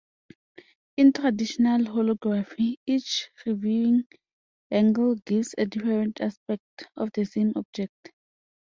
In traditional holography, each viewing angle gives a different aspect of the same object.